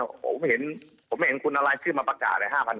อ่ะโหเห็นผมไม่เห็นคุณเอารายชื่อมาประกาศเลยห้าพัน